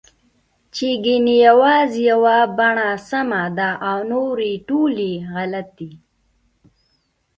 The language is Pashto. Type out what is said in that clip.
چې ګنې یوازې یوه بڼه سمه ده او نورې ټولې غلطې